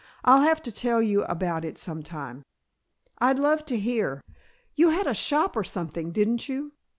"I'll have to tell you about it some time." "I'd love to hear. You had a shop or something, didn't you?"